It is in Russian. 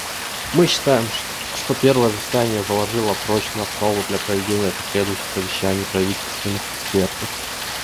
Мы считаем, что первое заседание заложило прочную основу для проведения последующих совещаний правительственных экспертов.